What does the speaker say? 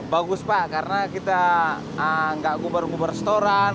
bagus pak karena kita nggak gubar gubar setoran